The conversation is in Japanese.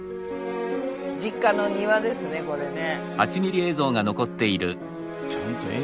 実家の庭ですねこれね。